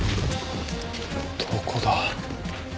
どこだ。